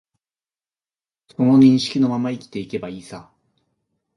その認識のまま生きていけばいいさ